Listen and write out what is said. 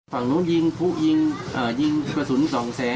ฝั่งนู้นยิงผู้ยิงยิงกระสุนสองแสน